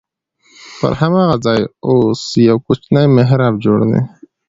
پر هماغه ځای اوس یو کوچنی محراب جوړ دی.